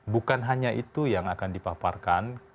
bukan hanya itu yang akan dipaparkan